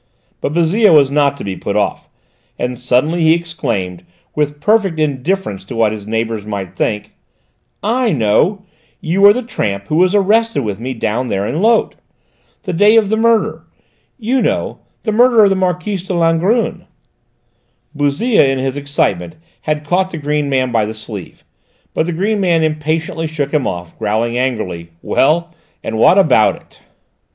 But Bouzille was not to be put off, and suddenly he exclaimed, with perfect indifference to what his neighbours might think: "I know: you are the tramp who was arrested with me down there in Lot! The day of that murder you know the murder of the Marquise de Langrune!" Bouzille in his excitement had caught the green man by the sleeve, but the green man impatiently shook him off, growling angrily. "Well, and what about it?"